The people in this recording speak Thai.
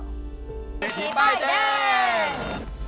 เศรษฐีป้ายแดง